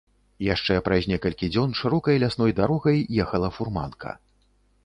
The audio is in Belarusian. Яшчэ праз некалькі дзён шырокай лясной дарогай ехала фурманка.